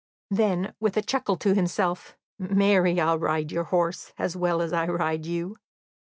Then, with a chuckle to himself: "Marry, I'll ride your horse, as well as I ride you!...